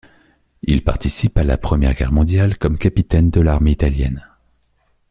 Il participe à la Première Guerre mondiale comme capitaine de l'armée italienne.